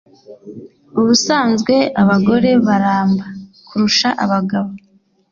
Ubusanzwe abagore baramba kurusha abagabo